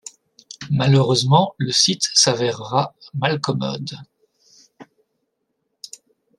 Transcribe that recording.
Malheureusement le site s'avérera malcommode.